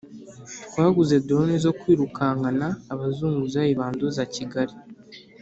Twaguze drones zo kwirukankana abazunguzayi banduza Kigali.